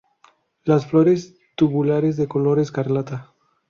Las flores tubulares de color escarlata.